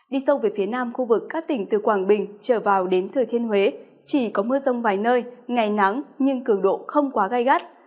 đi sâu về phía nam khu vực các tỉnh từ quảng bình trở vào đến thừa thiên huế chỉ có mưa rông vài nơi ngày nắng nhưng cường độ không quá gai gắt